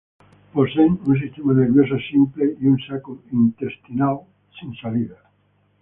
Poseen un sistema nervioso simple y un saco intestinal sin salida.